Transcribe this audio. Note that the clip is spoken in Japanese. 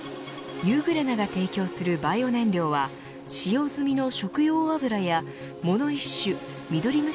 ユーグレナが提供するバイオ燃料は使用済みの食用油や藻の一種、ミドリムシ